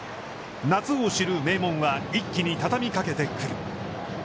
夏を知る名門は、一気に畳みかけてくる。